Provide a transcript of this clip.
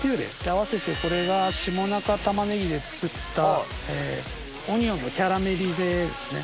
併せてこれが下中たまねぎで作ったオニオンのキャラメリゼですね。